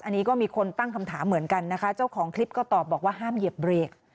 อันนี้ก็มีคนตั้งคำถามเหมือนกันนะคะเจ้าของคลิปก็ตอบบอกว่าห้ามเหยียบเบรก